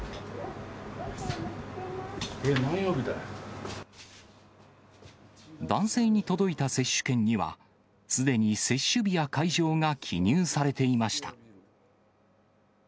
え、男性に届いた接種券には、すでに接種日や会場が記入されていました。